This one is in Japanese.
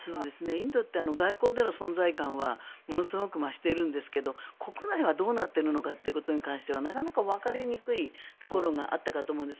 インドって外交での存在感はものすごく増しているんですけど国内はどうなっているのかということに関してはなかなかわかりにくいところがあったかと思うんです。